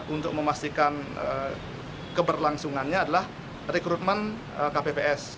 untuk memastikan keberlangsungannya adalah rekrutmen kpps